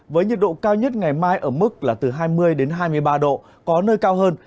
với nhiệt độ cao nhất ngày mai ở mức là từ hai mươi hai mươi ba độ có nơi cao hơn